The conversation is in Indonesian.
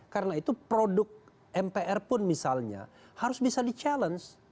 karena itu produk mpr pun misalnya harus bisa di challenge